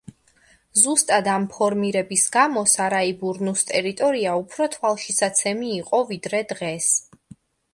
ზუსტად ამ ფორმირების გამო, სარაიბურნუს ტერიტორია უფრო თვალშისაცემი იყო, ვიდრე დღეს.